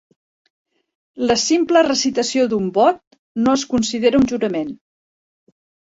La simple recitació d'un vot no es considera un jurament.